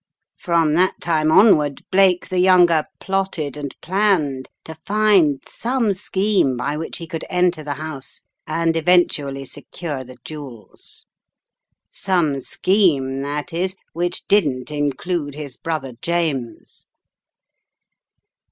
From that time onward Blake the younger plotted and planned to find some scheme by which he could enter the house and eventually secure the jewels. Some scheme, that is, which didn't include his brother James.